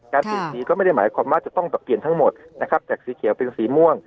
เปลี่ยนสีก็ไม่ได้หมายความว่าจะต้องปรับเปลี่ยนทั้งหมดนะครับจากสีเขียวเป็นสีม่วง